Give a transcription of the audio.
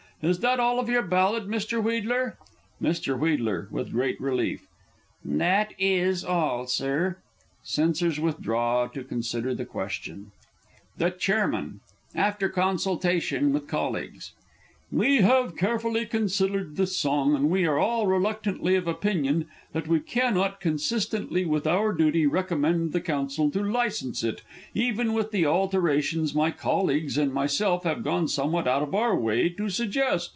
Is that all of your Ballad, Mr. Wheedler? Mr. W. (with great relief.) That is all, Sir. [Censors withdraw, to consider the question. The Ch. (after consultation with colleagues). We have carefully considered this song, and we are all reluctantly of opinion that we cannot, consistently with our duty, recommend the Council to license it even with the alterations my colleagues and myself have gone somewhat out of our way to suggest.